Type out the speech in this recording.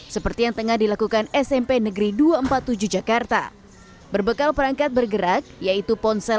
seperti yang tengah dilakukan smp negeri dua ratus empat puluh tujuh jakarta berbekal perangkat bergerak yaitu ponsel